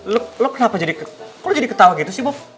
lu kenapa jadi ketawa gitu sih bob